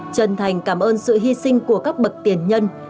chân thành cảm ơn sự hy sinh của các bậc tiền nhân